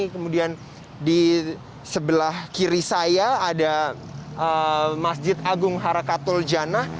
kemudian di sebelah kiri saya ada masjid agung harakatul janah